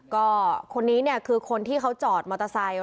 ก็คนนี้เนี่ยคือคนที่เขาจอดมอเตอร์ไซค์